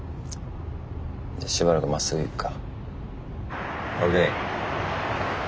じゃあしばらくまっすぐ行くか。ＯＫ。